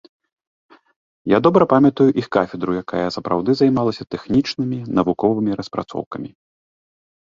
Я добра памятаю іх кафедру, якая сапраўды займалася тэхнічнымі навуковымі распрацоўкамі.